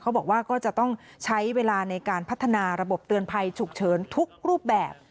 บอกว่าก็จะต้องใช้เวลาในการพัฒนาระบบเตือนภัยฉุกเฉินทุกรูปแบบ